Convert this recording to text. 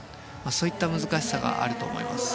そういった難しさがあると思います。